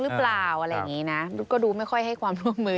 หรือเปล่าอะไรอย่างนี้นะก็ดูไม่ค่อยให้ความร่วมมือ